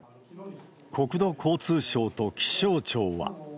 国土交通省と気象庁は。